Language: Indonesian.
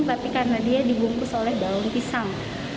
tapi karena dia dibungkus oleh daun pisang